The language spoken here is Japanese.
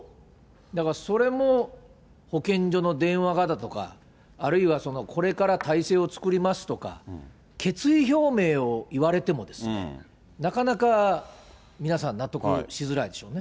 だからそれも保健所の電話がだとか、あるいはこれから体制を作りますとか、決意表明を言われてもですね、なかなか皆さん、納得しづらいでしょうね。